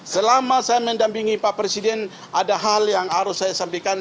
selama saya mendampingi pak presiden ada hal yang harus saya sampaikan